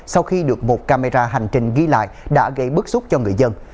sau khi được một camera hành trình ghi lại đã gây bức xúc cho người dân